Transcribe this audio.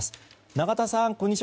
ナガタさん、こんにちは。